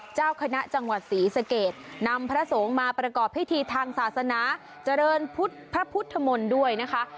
เจ้าคณะจังหวัดศรีสเกตนำพระสงฆ์มาประกอบพิธีทางศาสนาเจริญพุทธพระพุทธมนต์ด้วยนะคะ